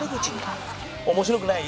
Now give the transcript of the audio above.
面白くない？